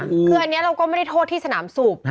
คืออันนี้เราก็ไม่ได้โทษที่สนามสูบ